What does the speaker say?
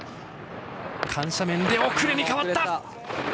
緩斜面で遅れに変わった。